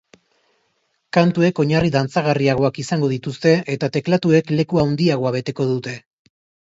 Kantuek oinarri dantzagarriagoak izango dituzte eta teklatuek leku handiagoa beteko dute.